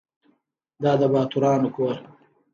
دا د باتورانو کور .